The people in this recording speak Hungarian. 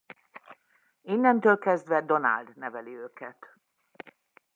Innentől kezdve Donald neveli őket.